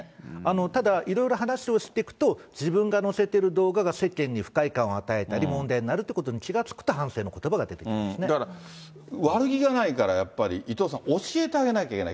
ただ、いろいろ話をしていくと、自分が載せてる動画が世間に不快感を与えたり、問題になるってことに気が付くと、だから、悪気がないから、やっぱり伊藤さん、教えてあげなきゃいけない。